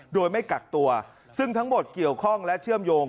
โดยไม่กักตัวซึ่งทั้งหมดเกี่ยวข้องและเชื่อมโยง